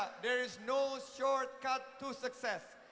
tidak ada titik kecil untuk sukses